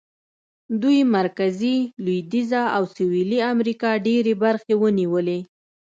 دوی مرکزي، لوېدیځه او سوېلي امریکا ډېرې برخې ونیولې.